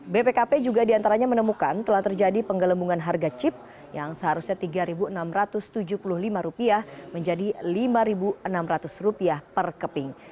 bpkp juga diantaranya menemukan telah terjadi penggelembungan harga chip yang seharusnya rp tiga enam ratus tujuh puluh lima menjadi rp lima enam ratus per keping